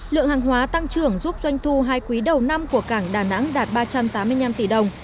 lượng hàng hóa tăng trưởng giúp doanh thu hai quý đầu năm của cảng đà nẵng đạt ba trăm tám mươi năm tỷ đồng